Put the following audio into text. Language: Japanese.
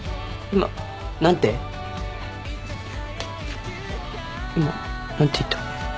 今何て言った？